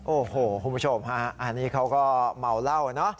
โอ้โหคุณผู้ชมฮะอันนี้เขาก็เมาเหล้าเนอะ